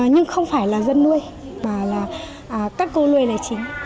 nhưng không phải là dân nuôi và là các cô nuôi là chính